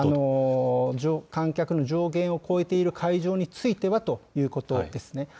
観客の上限を超えている会場についてはということですね。